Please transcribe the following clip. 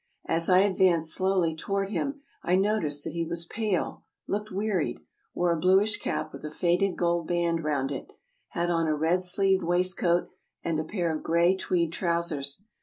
As I advanced slowly toward him I noticed that he was pale, looked wearied, wore a bluish cap with a faded gold band round it, had on a red sleeved waistcoat, and a pair of gray tweed trousers.